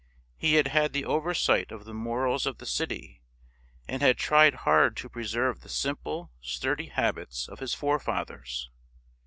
He had had the oversight of the morals of the city, and had tried hard to preserve the simple, sturdy habits of his forefathers.